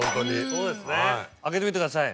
そうですね開けてみてください。